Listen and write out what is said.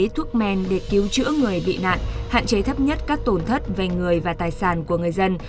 thuốc men để cứu chữa người bị nạn hạn chế thấp nhất các tổn thất về người và tài sản của người dân